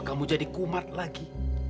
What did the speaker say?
kamu jadi kumat lagi